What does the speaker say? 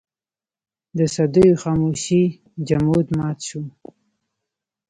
د صدېو خاموشۍ جمود مات شو.